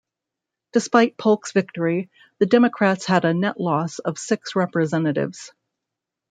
Despite Polk's victory, the Democrats had a net loss of six Representatives.